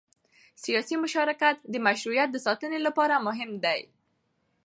سیاسي مشارکت د مشروعیت د ساتنې لپاره مهم دی